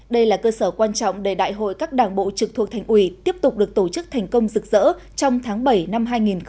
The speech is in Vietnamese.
đây là cơ sở quan trọng để đại hội các đảng bộ trực thuộc thành ủy tiếp tục được tổ chức thành công rực rỡ trong tháng bảy năm hai nghìn hai mươi